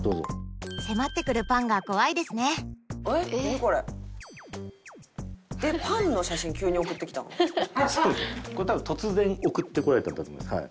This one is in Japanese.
「これ多分突然送ってこられたんだと思います」